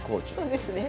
そうですね。